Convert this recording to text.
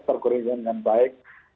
terguruan dengan baik